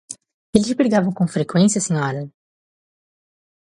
Eles brigavam com frequência, senhora?